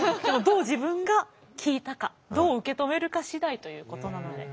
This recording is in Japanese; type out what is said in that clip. どう自分が聞いたかどう受け止めるか次第ということなので。